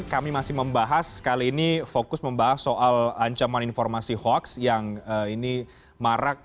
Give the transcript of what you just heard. kami masih membahas kali ini fokus membahas soal ancaman informasi hoax yang ini marak